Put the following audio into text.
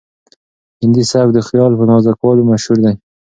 هندي سبک د خیال په نازکوالي مشهور دی.